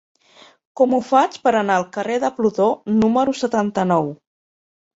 Com ho faig per anar al carrer de Plutó número setanta-nou?